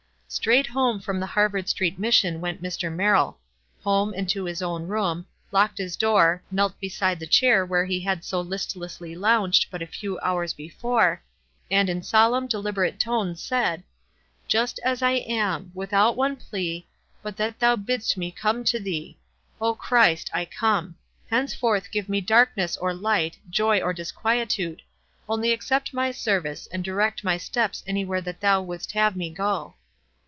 Straight home from the Harvard Street Mission went Mr. Merrill — home and to his own room, locked his door, knelt beside the chair where he had so listlessly lounged but a few hours before, and in solemn, deliberate tones said, "'Just as I am, without one plea, but that thou bidst me come to thee,' O Christ, I come. Henceforth give me darkness or light, joy or disquietude — only accept my service and direct my steps anywhere that thou wouldst have me go."